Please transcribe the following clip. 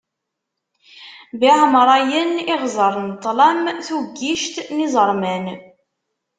Biɛemṛan, iɣzeṛ n ṭṭlam, tuggict n yiẓerman.